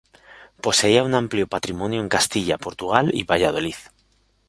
Poseía un amplio patrimonio en Castilla, Portugal y Valladolid.